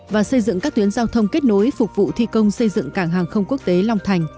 và xây dựng các tuyến giao thông kết nối phục vụ thi công xây dựng cảng hàng không quốc tế long thành